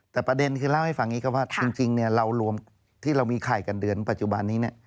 แต่ประเด็นคือเล่าให้ฟังอย่างนี้ครับว่าจริงเรารวมที่เรามีไข่กันเดือนปัจจุบันนี้